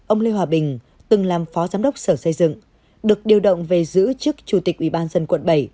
ông lê hòa bình từng làm phó giám đốc sở xây dựng được điều động về giữ chức chủ tịch ubnd quận bảy